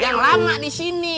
yang lama di sini